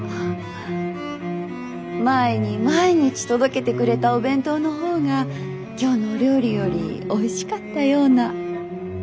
前に毎日届けてくれたお弁当の方が今日のお料理よりおいしかったような。